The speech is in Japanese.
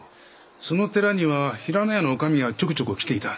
その寺には平野屋のおかみがちょくちょく来ていた。